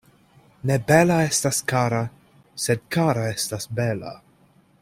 Ne bela estas kara, sed kara estas bela.